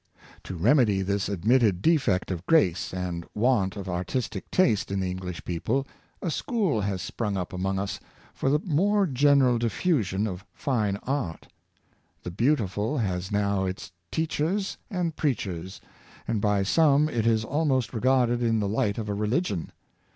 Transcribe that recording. To remedy this admitted defect of grace and want of artistic taste in the English people, a school has sprung up among us for the more general diffusion of fine art. The Beautiful has now its teachers and preachers, and by some it is almost regarded in the light of a religion.